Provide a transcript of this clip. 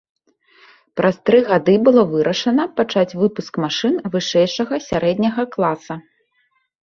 Праз тры гады было вырашана пачаць выпуск машын вышэйшага сярэдняга класа.